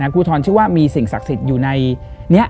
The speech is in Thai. ครูทรชื่อว่ามีสิ่งศักดิ์สิทธิ์อยู่ในนี้